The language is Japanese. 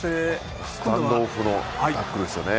スタンドオフのタックルですよね。